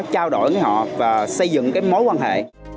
trao đổi với họ và xây dựng cái mối quan hệ